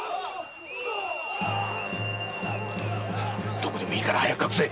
どこでもいいから早く隠せ！